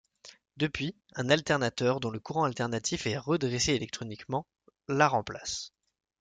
Depuis, un alternateur, dont le courant alternatif est redressé électroniquement, la remplace.